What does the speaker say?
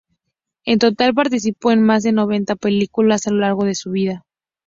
En total participó en más de noventa películas a lo largo de su vida.